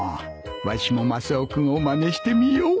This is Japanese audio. わしもマスオ君をまねしてみよう